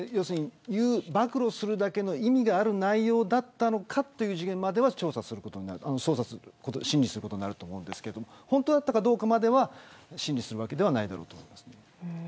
暴露するだけの意味がある内容だったのかという次元までは調査、審理することになると思いますが本当かどうかまでは審理するわけではないと思います。